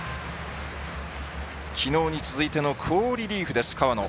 きのうに続いての好リリーフです河野。